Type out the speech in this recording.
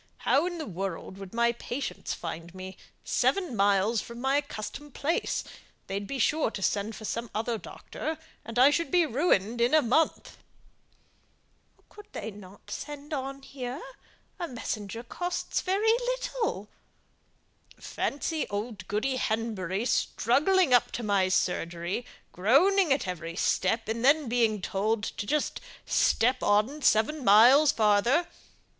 How in the world would my patients find me out, seven miles from my accustomed place? They'd be sure to send for some other doctor, and I should be ruined in a month." "Couldn't they send on here? A messenger costs very little." "Fancy old Goody Henbury struggling up to my surgery, groaning at every step, and then being told to just step on seven miles farther!